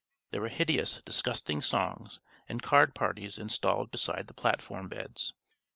There were hideous, disgusting songs and card parties installed beside the platform beds.